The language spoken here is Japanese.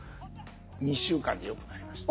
２週間でよくなりました。